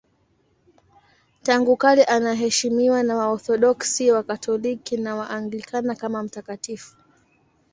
Tangu kale anaheshimiwa na Waorthodoksi, Wakatoliki na Waanglikana kama mtakatifu.